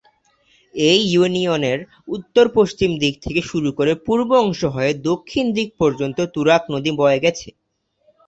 এই ইউনিয়নের উত্তর-পশ্চিম দিক থেকে শুরু করে পূর্ব অংশ হয়ে দক্ষিণ দিক পর্যন্ত তুরাগ নদী বয়ে গেছে।